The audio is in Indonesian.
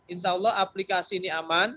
insya allah aplikasi ini aman